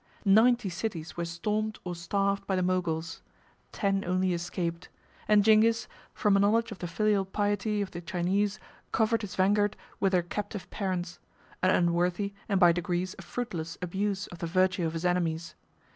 Ninety cities were stormed, or starved, by the Moguls; ten only escaped; and Zingis, from a knowledge of the filial piety of the Chinese, covered his vanguard with their captive parents; an unworthy, and by degrees a fruitless, abuse of the virtue of his enemies.